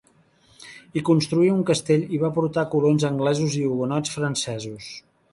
Hi construí un castell i va portar colons anglesos i hugonots francesos.